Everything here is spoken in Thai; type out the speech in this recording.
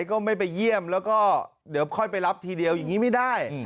ก็ไม่ไปเยี่ยมแล้วก็เดี๋ยวค่อยไปรับทีเดียวอย่างนี้ไม่ได้